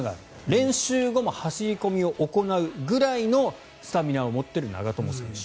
練習後も走り込みを行うくらいのスタミナを持っている長友選手。